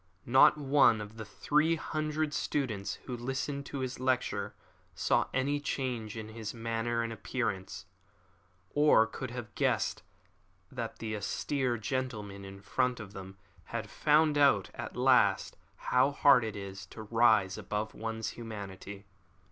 Not one of the three hundred students who listened to his lecture saw any change in his manner and appearance, or could have guessed that the austere gentleman in front of them had found out at last how hard it is to rise above one's humanity.